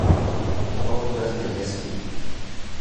اتاق پر از مگس بود.